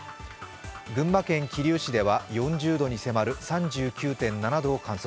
群馬県桐生市では４０度に迫る３９．７度を記録。